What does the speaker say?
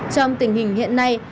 trong tình hình hiện nay